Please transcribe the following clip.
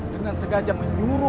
dengan segaja menyuruh